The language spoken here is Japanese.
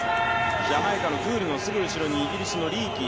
ジャマイカのグールの後ろにイギリスのリーキー。